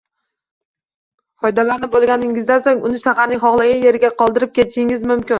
Foydalanib boʻlganingizdan soʻng, uni shaharning xohlagan yerida qoldirib ketishingiz mumkin.